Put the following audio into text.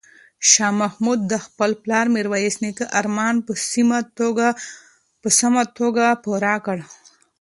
شاه محمود د خپل پلار میرویس نیکه ارمان په سمه توګه پوره کړ.